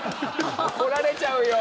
怒られちゃうよ。